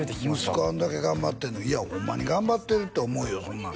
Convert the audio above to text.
息子あんだけ頑張ってるのにいやホンマに頑張ってるって思うよホンマ